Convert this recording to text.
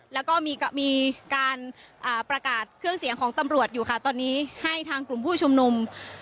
แล้วก็มีการประกาศเครื่องเสียงของตำรวจอยู่ค่ะตอนนี้ให้ทางกลุ่มผู้ชุมนุม